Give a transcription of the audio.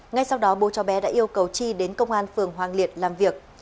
ngay sau đó bố cháu bé đã yêu cầu chi đến công an phường hoàng liệt làm việc